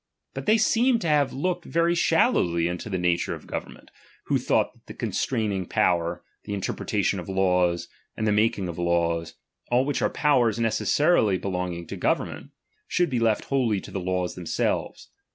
But they seem to have looked very shallowiy into the nature of government, who thought that the constraining power, the interpretation of laws, and the making of laws, all which are powers necessarily belong ing to government, should be left wholly to the laws themselves.